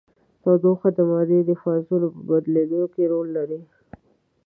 تودوخه د مادې د فازونو په بدلیدو کې رول لري.